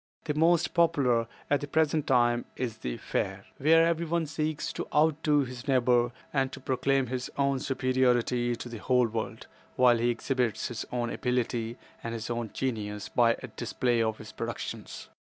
The most popular at the present time, is the Fair, where everyone seeks to outdo his neighbor and to proclaim his own superiority to the whole world, while he exhibits his own abilities and his own genius by a display of his productions.